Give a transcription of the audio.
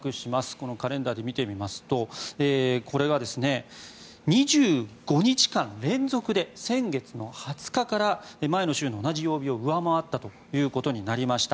このカレンダーで見てみますとこれが２５日間連続で先月の２０日から前の週の同じ曜日を上回ったということになりました。